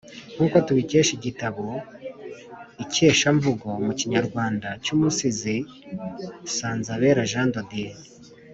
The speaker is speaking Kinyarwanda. Nk’uko tubikesha igitabo “Ikeshamvugo mu Kinyarwanda” cy’Umusizi Nsanzabera Jean de Dieu